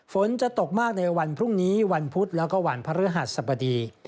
ฝนจะตกมากในวันพรุ่งนี้วันพุธแล้วก็วันพระฤหัสสบดี